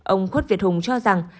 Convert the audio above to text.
ông khuất việt hùng cho rằng